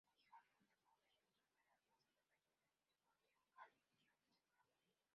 Allí, ganó el Grupo B superando a Santa Fe, Deportivo Cali y Once Caldas.